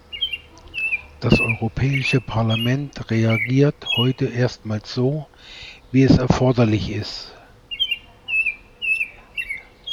Das Europäische Parlament reagiert heute erstmals so, wie es erforderlich ist.